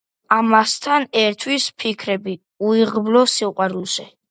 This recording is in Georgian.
ამას თან ერთვის ფიქრები უიღბლო სიყვარულზე.